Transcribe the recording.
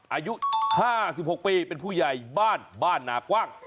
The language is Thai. อายุ๕๖ปีเป็นผู้ใหญ่บ้านบ้านนากว้าง